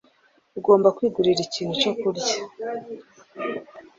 Ugomba kwigurira ikintu cyo kurya.